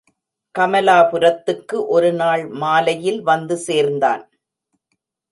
கமலாபுரத்துக்கு ஒருநாள் மாலையில் வந்து சேர்ந்தான்.